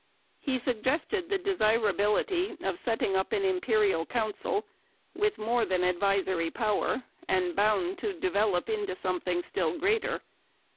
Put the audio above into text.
He suggested the desirability of setting up an Imperial Council, with more than advisory power, and bound 'to develop into something still greater.'